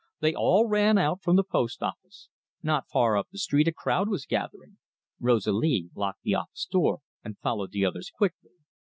They all ran out from the post office. Not far up the street a crowd was gathering. Rosalie locked the office door and followed the others quickly.